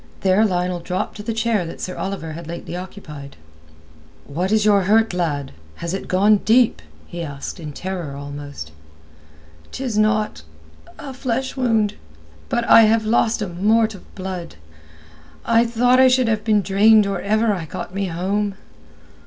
There Lionel dropped to the chair that Sir Oliver had lately occupied. "What is your hurt, lad? Has it gone deep?" he asked, in terror almost. "'Tis naught—a flesh wound; but I have lost a mort of blood. I thought I should have been drained or ever I got me home."